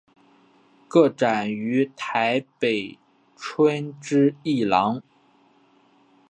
个展于台北春之艺廊。